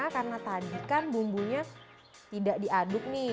karena tadi kan bumbunya tidak diaduk nih